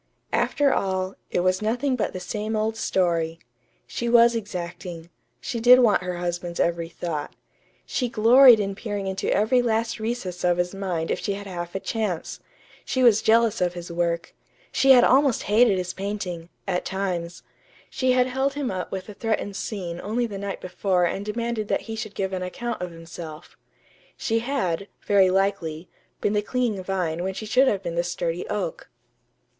After all, it was nothing but the same old story. She was exacting. She did want her husband's every thought. She gloried in peering into every last recess of his mind if she had half a chance. She was jealous of his work. She had almost hated his painting at times. She had held him up with a threatened scene only the night before and demanded that he should give an account of himself. She had, very likely, been the clinging vine when she should have been the sturdy oak.